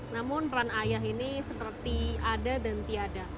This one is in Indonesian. namun peran ayah ini seperti ada dan tiada